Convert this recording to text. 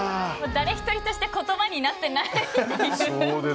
誰１人として言葉になってない。